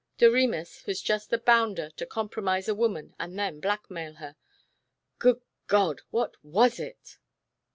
... Doremus was just the bounder to compromise a woman and then blackmail her.... Good God! What was it?